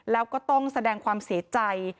แล้วก็ต้องแสดงความเสียใจ